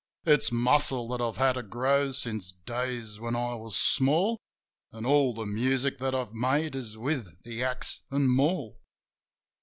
It's muscle that I've had to grow since days when I was small, An' all the music that I've made is with the axe an' maul.